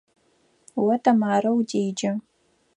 О Тэмарэ удеджэ.